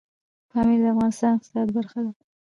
پامیر د افغانستان د اقتصاد برخه ده.